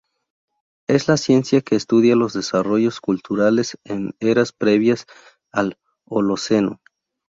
Es la ciencia que estudia los desarrollos culturales en eras previas al holoceno.